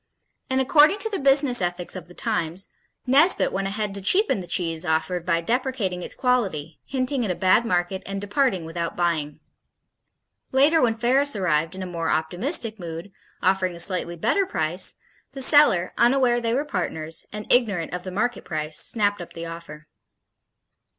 And "according to the business ethics of the times," Nesbit went ahead to cheapen the cheese offered by deprecating its quality, hinting at a bad market and departing without buying. Later when Ferris arrived in a more optimistic mood, offering a slightly better price, the seller, unaware they were partners, and ignorant of the market price, snapped up the offer.